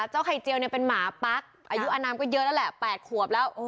ไข่เจียวเนี่ยเป็นหมาปั๊กอายุอนามก็เยอะแล้วแหละ๘ขวบแล้ว